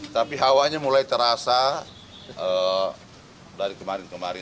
tapi hawanya mulai terasa dari kemarin kemarin